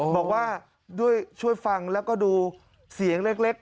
บอกว่าด้วยช่วยฟังแล้วก็ดูเสียงเล็ก